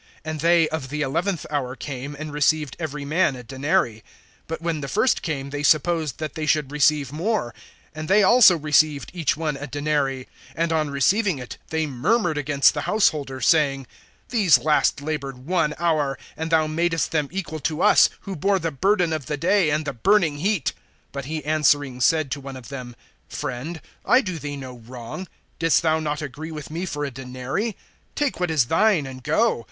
(9)And they of the eleventh hour came, and received every man a denary. (10)But when the first came, they supposed that they should receive more; and they also received each one a denary. (11)And on receiving it, they murmured against the householder, (12)saying: These last labored one hour, and thou madest them equal to us, who bore the burden of the day, and the burning heat. (13)But he answering said to one of them: Friend, I do thee no wrong. Didst thou not agree with me for a denary? (14)Take what is thine, and go.